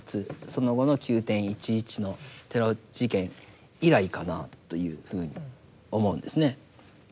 その後の９．１１のテロ事件以来かなというふうに思うんですね。